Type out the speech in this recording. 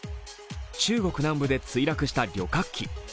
中国南部で墜落した旅客機。